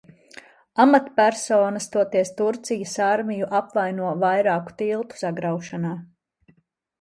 Amatpersonas toties Turcijas armiju apvaino vairāku tiltu sagraušanā.